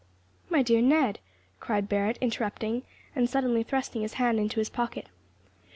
"My dear Ned," cried Barret, interrupting, and suddenly thrusting his hand into his pocket.